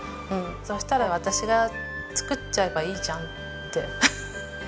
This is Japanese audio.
そしたら私が作っちゃえばいいじゃんって。